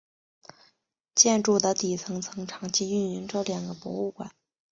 建筑的底层曾长期运营着两个博物馆。